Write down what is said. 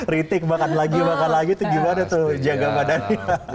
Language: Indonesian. rintik makan lagi makan lagi tuh gimana tuh jaga badannya